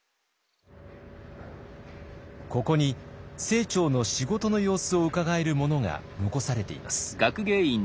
ここに清張の仕事の様子をうかがえるものが残されています。